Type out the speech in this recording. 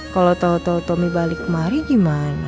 kalau tau tau tommy balik kemari gimana